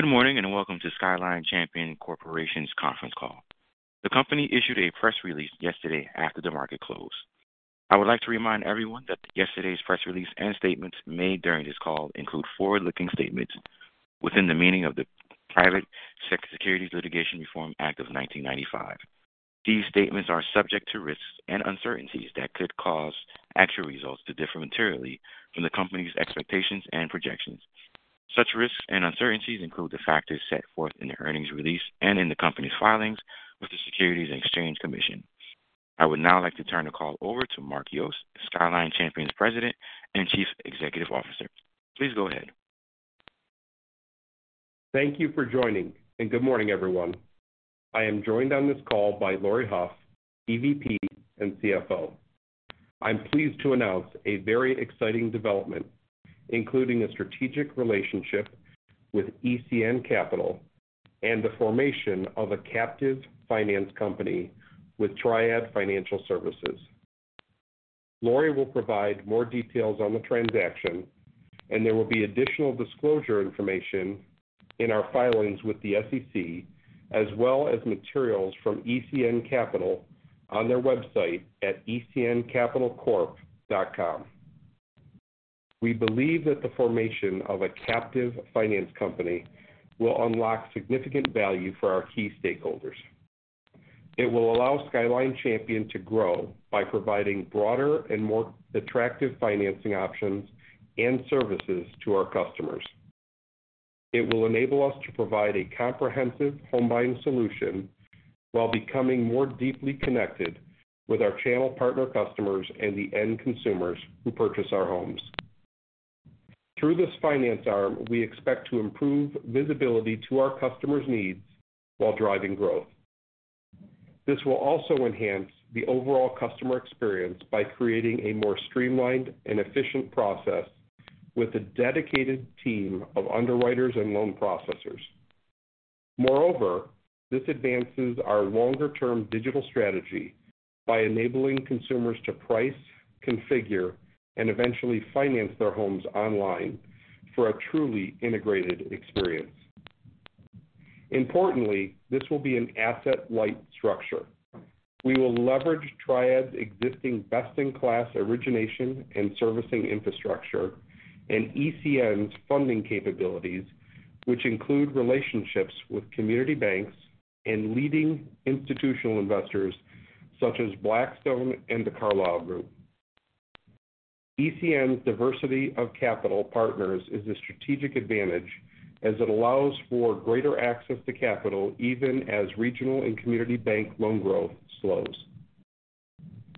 Good morning, welcome to Skyline Champion Corporation's conference call. The company issued a press release yesterday after the market closed. I would like to remind everyone that yesterday's press release and statements made during this call include forward-looking statements within the meaning of the Private Securities Litigation Reform Act of 1995. These statements are subject to risks and uncertainties that could cause actual results to differ materially from the company's expectations and projections. Such risks and uncertainties include the factors set forth in the earnings release and in the company's filings with the Securities and Exchange Commission. I would now like to turn the call over to Mark Yost, Skyline Champion's President and Chief Executive Officer. Please go ahead. Thank you for joining, and good morning, everyone. I am joined on this call by Laurie Hough, EVP and CFO. I'm pleased to announce a very exciting development, including a strategic relationship with ECN Capital and the formation of a captive finance company with Triad Financial Services. Laurie will provide more details on the transaction, and there will be additional disclosure information in our filings with the SEC, as well as materials from ECN Capital on their website at ecncapitalcorp.com. We believe that the formation of a captive finance company will unlock significant value for our key stakeholders. It will allow Skyline Champion to grow by providing broader and more attractive financing options and services to our customers. It will enable us to provide a comprehensive home buying solution while becoming more deeply connected with our channel partner customers and the end consumers who purchase our homes. Through this finance arm, we expect to improve visibility to our customers' needs while driving growth. This will also enhance the overall customer experience by creating a more streamlined and efficient process with a dedicated team of underwriters and loan processors. This advances our longer-term digital strategy by enabling consumers to price, configure, and eventually finance their homes online for a truly integrated experience. Importantly, this will be an asset-light structure. We will leverage Triad's existing best-in-class origination and servicing infrastructure and ECN's funding capabilities, which include relationships with community banks and leading institutional investors such as Blackstone and The Carlyle Group. ECN's diversity of capital partners is a strategic advantage as it allows for greater access to capital, even as regional and community bank loan growth slows.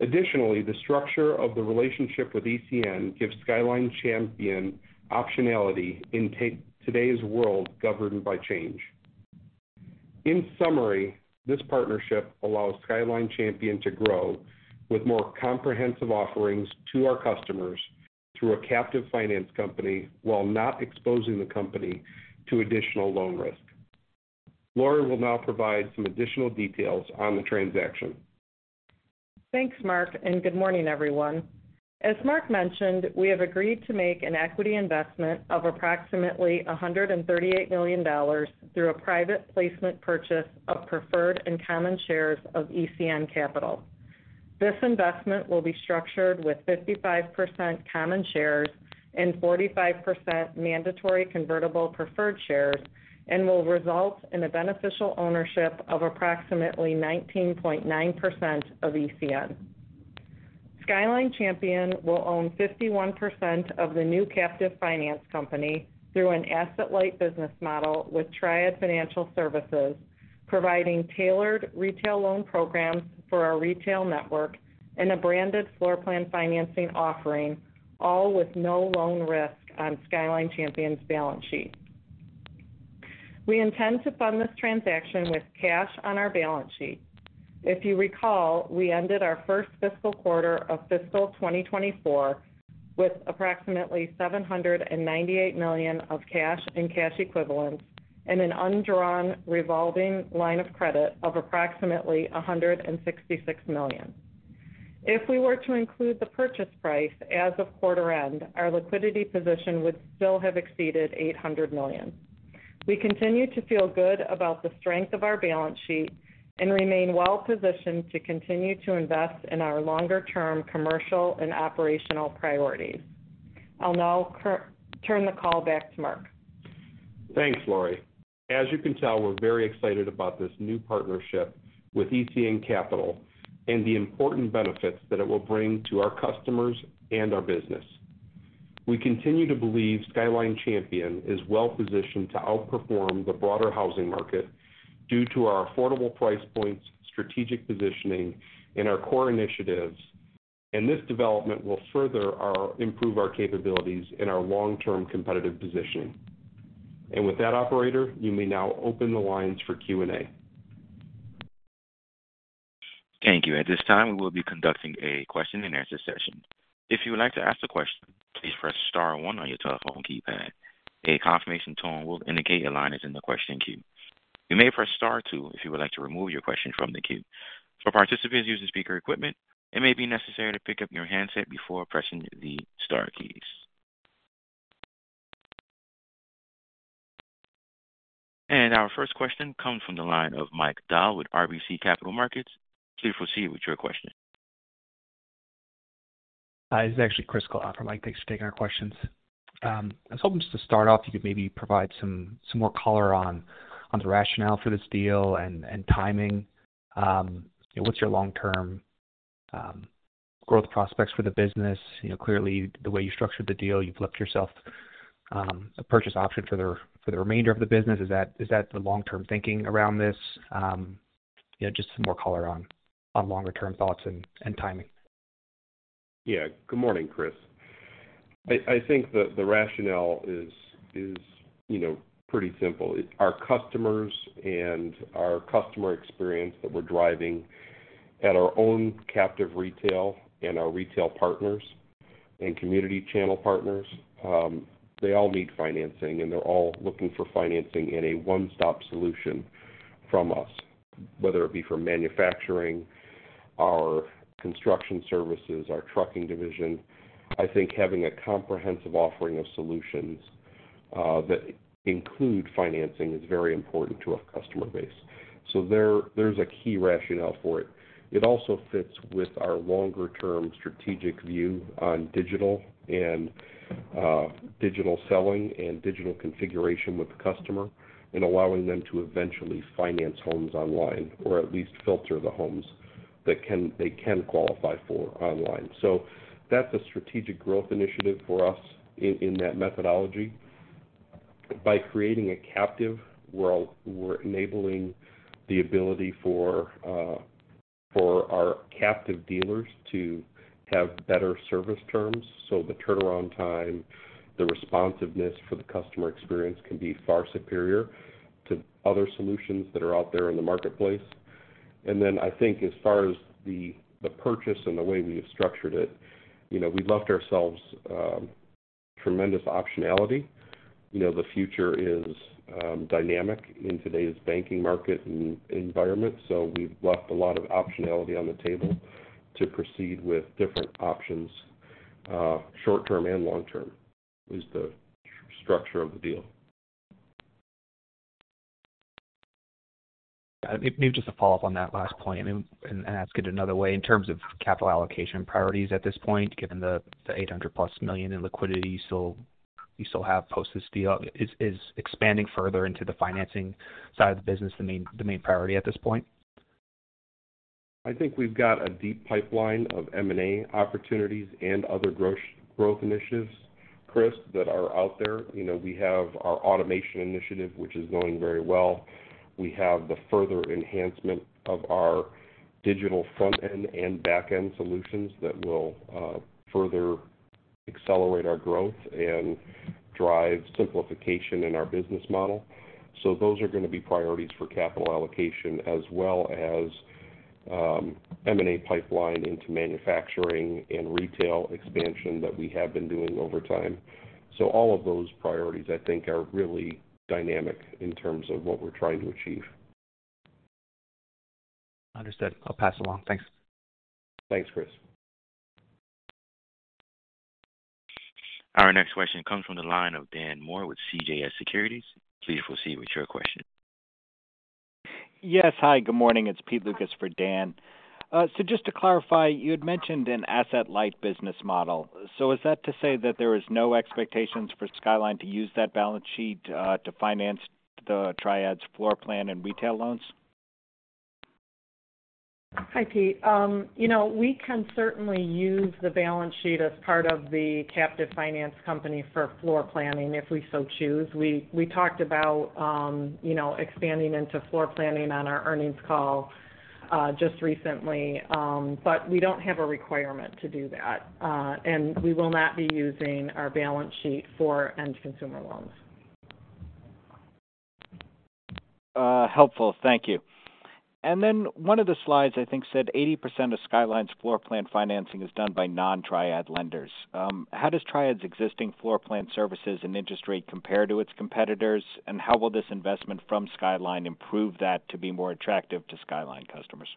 The structure of the relationship with ECN gives Skyline Champion optionality in take- today's world, governed by change. In summary, this partnership allows Skyline Champion to grow with more comprehensive offerings to our customers through a captive finance company while not exposing the company to additional loan risk. Laurie will now provide some additional details on the transaction. Thanks, Mark. Good morning, everyone. As Mark mentioned, we have agreed to make an equity investment of approximately $138 million through a private placement purchase of preferred and common shares of ECN Capital. This investment will be structured with 55% common shares and 45% mandatory convertible preferred shares and will result in a beneficial ownership of approximately 19.9% of ECN. Skyline Champion will own 51% of the new captive finance company through an asset-light business model with Triad Financial Services, providing tailored retail loan programs for our retail network and a branded floorplan financing offering, all with no loan risk on Skyline Champion's balance sheet. We intend to fund this transaction with cash on our balance sheet. If you recall, we ended our first fiscal quarter of fiscal 2024 with approximately $798 million of cash and cash equivalents and an undrawn revolving line of credit of approximately $166 million. If we were to include the purchase price as of quarter end, our liquidity position would still have exceeded $800 million. We continue to feel good about the strength of our balance sheet and remain well positioned to continue to invest in our longer-term commercial and operational priorities. I'll now turn the call back to Mark. Thanks, Laurie. As you can tell, we're very excited about this new partnership with ECN Capital and the important benefits that it will bring to our customers and our business. We continue to believe Skyline Champion is well positioned to outperform the broader housing market due to our affordable price points, strategic positioning, and our core initiatives, and this development will further our, improve our capabilities and our long-term competitive position. With that, operator, you may now open the lines for Q&A. Thank you. At this time, we will be conducting a question-and-answer session. If you would like to ask a question, please press star one on your telephone keypad. A confirmation tone will indicate your line is in the question queue. You may press star two if you would like to remove your question from the queue. For participants using speaker equipment, it may be necessary to pick up your handset before pressing the star keys. Our first question comes from the line of Mike Dahl with RBC Capital Markets. Please proceed with your question. Hi, this is actually Chris Kalata for Mike. Thanks for taking our questions. I was hoping just to start off, you could maybe provide some, some more color on, on the rationale for this deal and, and timing. What's your long-term growth prospects for the business? You know, clearly, the way you structured the deal, you've left yourself a purchase option for the, for the remainder of the business. Is that, is that the long-term thinking around this? You know, just some more color on, on longer-term thoughts and, and timing. Good morning, Chris. I, I think the, the rationale is, is, you know, pretty simple. It's our customers and our customer experience that we're driving at our own captive retail and our retail partners and community channel partners. They all need financing, and they're all looking for financing in a one-stop solution from us, whether it be for manufacturing, our construction services, our trucking division. I think having a comprehensive offering of solutions that include financing is very important to our customer base. There, there's a key rationale for it. It also fits with our longer-term strategic view on digital and digital selling and digital configuration with the customer, and allowing them to eventually finance homes online, or at least filter the homes that they can qualify for online. That's a strategic growth initiative for us in, in that methodology. By creating a captive, we're, we're enabling the ability for our captive dealers to have better service terms. The turnaround time, the responsiveness for the customer experience can be far superior to other solutions that are out there in the marketplace. Then I think as far as the, the purchase and the way we have structured it, you know, we've left ourselves tremendous optionality. You know, the future is dynamic in today's banking market and environment, we've left a lot of optionality on the table to proceed with different options, short term and long term, is the structure of the deal. Maybe just a follow-up on that last point and ask it another way. In terms of capital allocation priorities at this point, given the $800+ million in liquidity, so you still have post this deal, is expanding further into the financing side of the business, the main priority at this point? I think we've got a deep pipeline of M&A opportunities and other growth initiatives, Chris, that are out there. You know, we have our automation initiative, which is going very well. We have the further enhancement of our digital front-end and back-end solutions that will further accelerate our growth and drive simplification in our business model. Those are going to be priorities for capital allocation, as well as M&A pipeline into manufacturing and retail expansion that we have been doing over time. All of those priorities, I think, are really dynamic in terms of what we're trying to achieve. Understood. I'll pass along. Thanks. Thanks, Chris. Our next question comes from the line of Dan Moore with CJS Securities. Please proceed with your question. Yes. Hi, good morning. It's Pete Lucas for Dan. Just to clarify, you had mentioned an asset-light business model. Is that to say that there is no expectations for Skyline to use that balance sheet to finance the Triad's floorplan and retail loans? Hi, Pete. you know, we can certainly use the balance sheet as part of the Captive finance company for floorplanning, if we so choose. We talked about, you know, expanding into floorplanning on our earnings call, just recently. We don't have a requirement to do that, and we will not be using our balance sheet for end consumer loans. Helpful. Thank you. Then one of the slides, I think, said 80% of Skyline's floorplan financing is done by non-Triad lenders. How does Triad's existing floorplan services and interest rate compare to its competitors, and how will this investment from Skyline improve that to be more attractive to Skyline customers?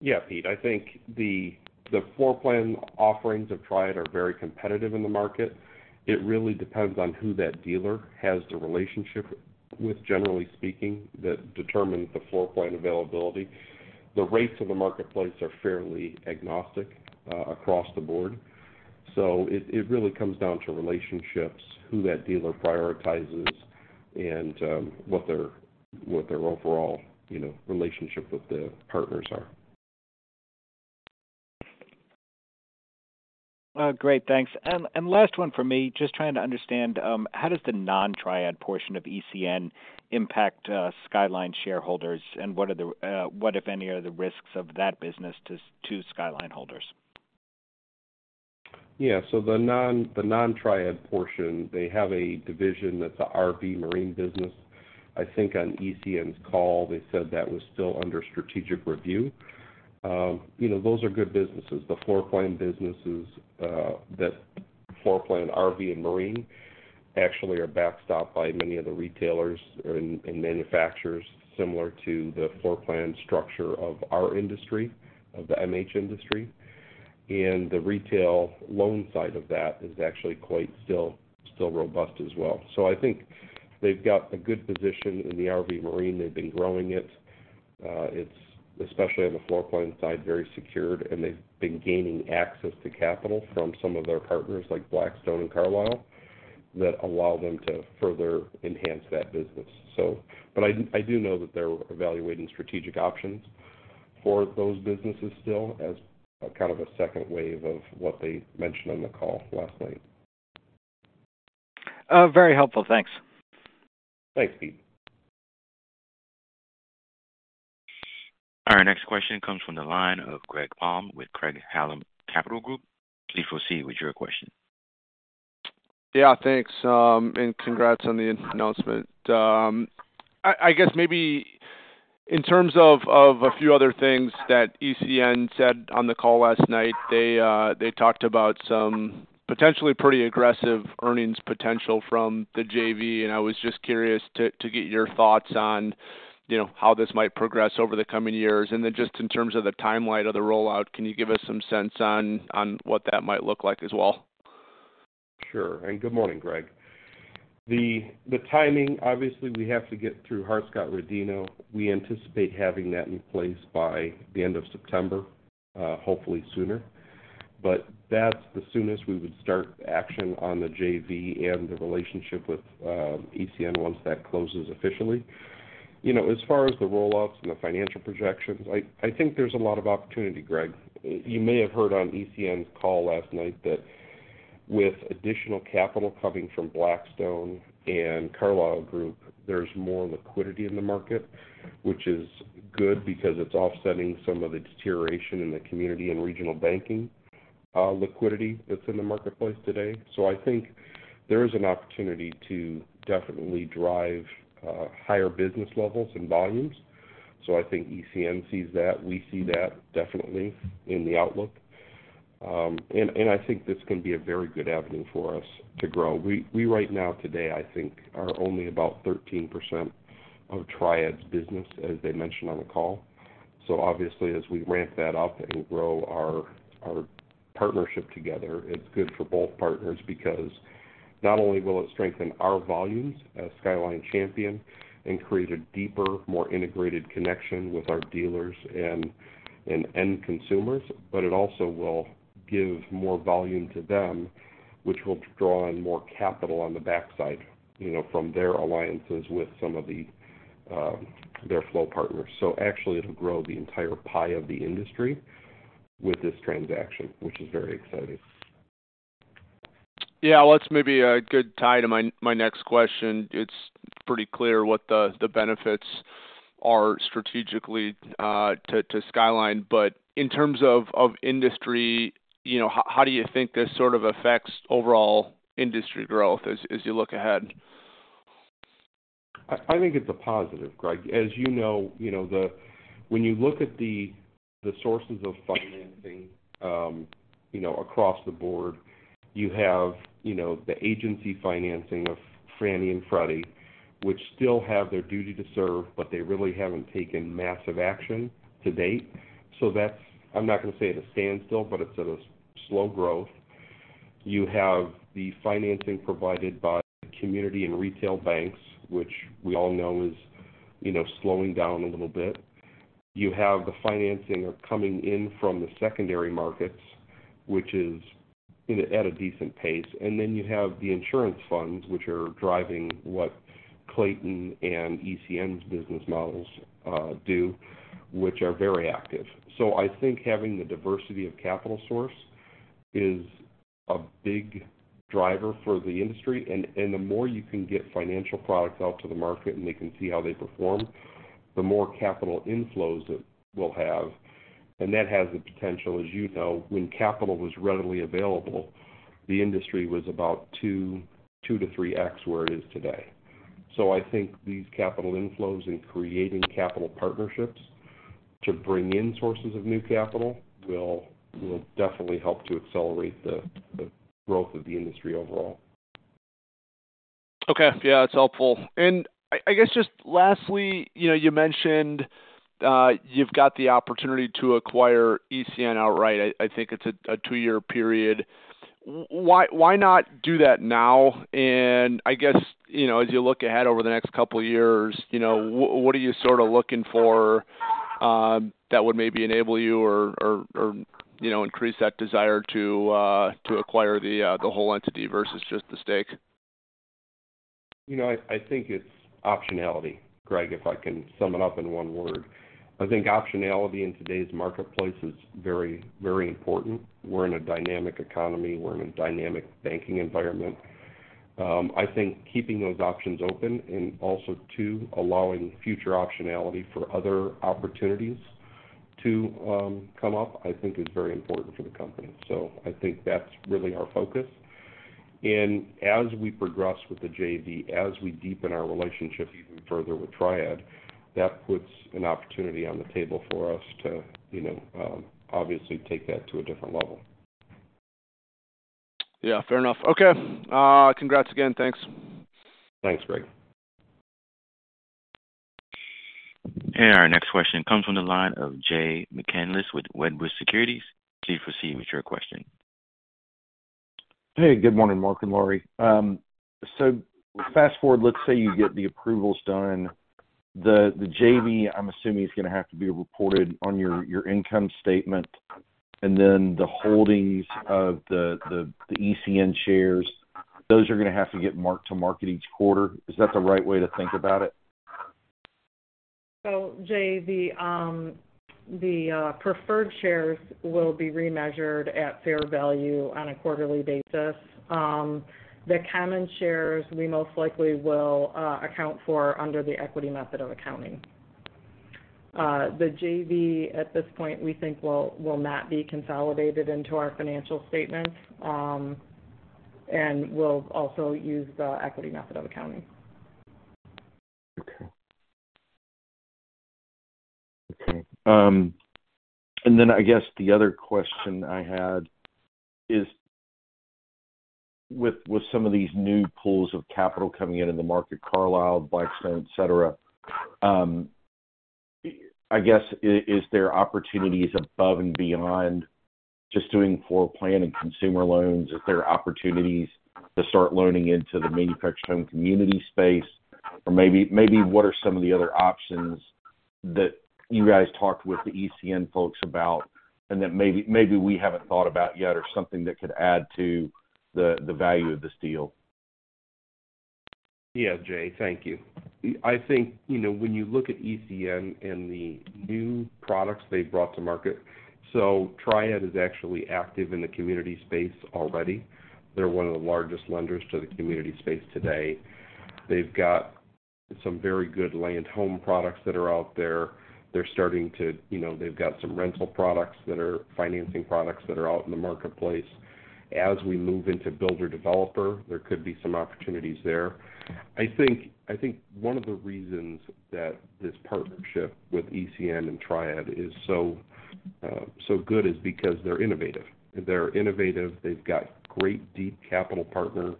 Yeah, Pete, I think the, the floorplan offerings of Triad are very competitive in the market. It really depends on who that dealer has the relationship with, generally speaking, that determines the floorplan availability. The rates in the marketplace are fairly agnostic across the board. It, it really comes down to relationships, who that dealer prioritizes, and what their, what their overall, you know, relationship with the partners are. Great, thanks. Last one for me, just trying to understand, how does the non-Triad portion of ECN impact Skyline shareholders? What are the, what, if any, are the risks of that business to Skyline holders? Yeah, so the non- the non-Triad portion, they have a division that's a RV Marine business. I think on ECN's call, they said that was still under strategic review. You know, those are good businesses. The Floorplan businesses, the Floorplan, RV and Marine, actually are backstopped by many of the retailers and manufacturers, similar to the Floorplan structure of our industry, of the MH industry. The retail loan side of that is actually quite still, still robust as well. I think they've got a good position in the RV Marine. They've been growing it. It's especially on the Floorplan side, very secured, and they've been gaining access to capital from some of their partners, like Blackstone and Carlyle, that allow them to further enhance that business. I do know that they're evaluating strategic options for those businesses still as kind of a second wave of what they mentioned on the call last night. Very helpful. Thanks. Thanks, Steve. Our next question comes from the line of Greg Palm with Craig-Hallum Capital Group. Please proceed with your question. Yeah, thanks. Congrats on the announcement. I, I guess maybe in terms of a few other things that ECN said on the call last night, they talked about some potentially pretty aggressive earnings potential from the JV, and I was just curious to get your thoughts on, you know, how this might progress over the coming years. Then just in terms of the timeline of the rollout, can you give us some sense on what that might look like as well? Sure. Good morning, Greg. The, the timing, obviously, we have to get through Hart-Scott-Rodino. We anticipate having that in place by the end of September, hopefully sooner. That's the soonest we would start action on the JV and the relationship with ECN once that closes officially. You know, as far as the rollouts and the financial projections, I, I think there's a lot of opportunity, Greg. You may have heard on ECN's call last night that with additional capital coming from Blackstone and Carlyle Group, there's more liquidity in the market, which is good because it's offsetting some of the deterioration in the community and regional banking liquidity that's in the marketplace today. I think there is an opportunity to definitely drive higher business levels and volumes. I think ECN sees that, we see that definitely in the outlook. I think this can be a very good avenue for us to grow. We right now, today, I think, are only about 13% of Triad's business, as they mentioned on the call. Obviously, as we ramp that up and grow our partnership together, it's good for both partners because not only will it strengthen our volumes as Skyline Champion and create a deeper, more integrated connection with our dealers and end consumers, but it also will give more volume to them, which will draw in more capital on the backside, you know, from their alliances with some of the their flow partners. Actually, it'll grow the entire pie of the industry with this transaction, which is very exciting. Yeah, well, that's maybe a good tie to my, my next question. It's pretty clear what the, the benefits are strategically, to, to Skyline, but in terms of, of industry, you know, how, how do you think this sort of affects overall industry growth as, as you look ahead? I, I think it's a positive, Greg. As you know, you know, when you look at the, the sources of financing, you know, across the board, you have, you know, the agency financing of Fannie and Freddie, which still have their duty to serve, but they really haven't taken massive action to date. That's... I'm not going to say at a standstill, but it's at a slow growth. You have the financing provided by community and retail banks, which we all know is, you know, slowing down a little bit. You have the financing are coming in from the secondary markets, which is in, at a decent pace, and then you have the insurance funds, which are driving what Clayton and ECN's business models do, which are very active. I think having the diversity of capital source is a big driver for the industry, and the more you can get financial products out to the market and they can see how they perform, the more capital inflows it will have. That has the potential, as you know, when capital was readily available, the industry was about 2x-3x where it is today. I think these capital inflows and creating capital partnerships to bring in sources of new capital will definitely help to accelerate the growth of the industry overall. Okay. Yeah, it's helpful. I, I guess just lastly, you know, you mentioned, you've got the opportunity to acquire ECN outright. I, I think it's a, a 2-year period. Why, why not do that now? I guess, you know, as you look ahead over the next couple of years, you know, what are you sort of looking for, that would maybe enable you or, or, or, you know, increase that desire to, to acquire the, the whole entity versus just the stake? You know, I, I think it's optionality, Greg, if I can sum it up in one word. I think optionality in today's marketplace is very, very important. We're in a dynamic economy. We're in a dynamic banking environment. I think keeping those options open and also, two, allowing future optionality for other opportunities to come up, I think is very important for the company. I think that's really our focus. As we progress with the JV, as we deepen our relationship even further with Triad, that puts an opportunity on the table for us to, you know, obviously take that to a different level. Yeah, fair enough. Okay, congrats again. Thanks. Thanks, Greg. Our next question comes from the line of Jay McCanless with Wedbush Securities. Please proceed with your question. Hey, good morning, Mark and Laurie. fast forward, let's say you get the approvals done. The JV, I'm assuming, is gonna have to be reported on your income statement, and then the holdings of the ECN shares, those are gonna have to get marked to market each quarter. Is that the right way to think about it? Jay, the preferred shares will be remeasured at fair value on a quarterly basis. The common shares, we most likely will account for under the equity method of accounting. The JV, at this point, we think will, will not be consolidated into our financial statements, and we'll also use the equity method of accounting. Okay. Okay, then I guess the other question I had is with, with some of these new pools of capital coming in in the market, Carlyle, Blackstone, et cetera, I guess, is there opportunities above and beyond just doing floor plan and consumer loans? Is there opportunities to start loaning into the manufactured home community space? Maybe, maybe what are some of the other options that you guys talked with the ECN folks about, and that maybe, maybe we haven't thought about yet or something that could add to the, the value of this deal? Yes, Jay, thank you. I think, you know, when you look at ECN and the new products they've brought to market. Triad is actually active in the community space already. They're one of the largest lenders to the community space today. They've got some very good land home products that are out there. They're starting to, you know, they've got some rental products that are financing products that are out in the marketplace. As we move into builder-developer, there could be some opportunities there. I think, I think one of the reasons that this partnership with ECN and Triad is so good is because they're innovative. They're innovative, they've got great, deep capital partner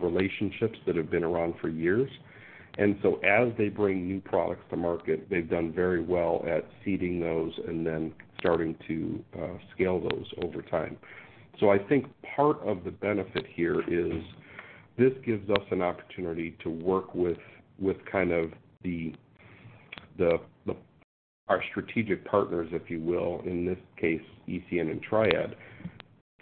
relationships that have been around for years. As they bring new products to market, they've done very well at seeding those and then starting to scale those over time. I think part of the benefit here is this gives us an opportunity to work with, with kind of our strategic partners, if you will, in this case, ECN and Triad,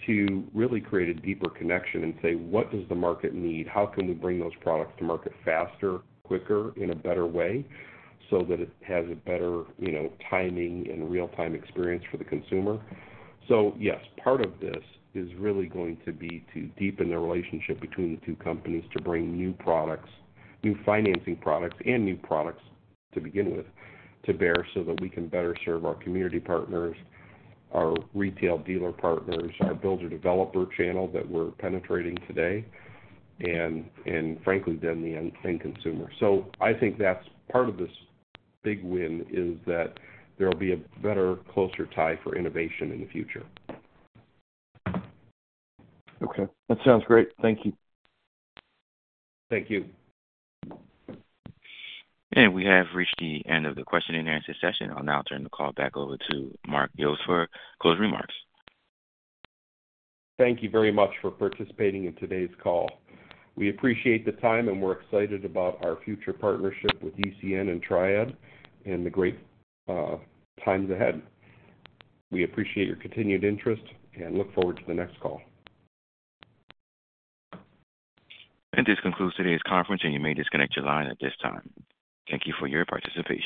to really create a deeper connection and say: What does the market need? How can we bring those products to market faster, quicker, in a better way, so that it has a better, you know, timing and real-time experience for the consumer? Yes, part of this is really going to be to deepen the relationship between the two companies, to bring new products, new financing products and new products to begin with, to bear so that we can better serve our community partners, our retail dealer partners, our builder-developer channel that we're penetrating today, and, and frankly, then the end-end consumer. I think that's part of this big win, is that there will be a better, closer tie for innovation in the future. Okay, that sounds great. Thank you. Thank you. We have reached the end of the question and answer session. I'll now turn the call back over to Mark Yost for closing remarks. Thank you very much for participating in today's call. We appreciate the time, and we're excited about our future partnership with ECN and Triad and the great times ahead. We appreciate your continued interest and look forward to the next call. This concludes today's conference, and you may disconnect your line at this time. Thank you for your participation.